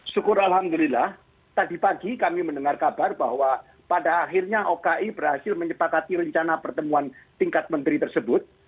syukur alhamdulillah tadi pagi kami mendengar kabar bahwa pada akhirnya oki berhasil menyepakati rencana pertemuan tingkat menteri tersebut